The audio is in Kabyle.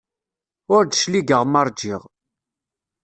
Ur d-cligeɣ ma ṛjiɣ.